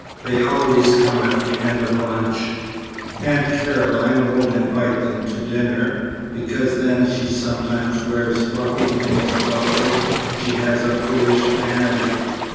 They always come at the end of lunch. Aunt Caroline won't invite them to dinner, because then she sometimes wears fluffy things about which she has a foolish vanity.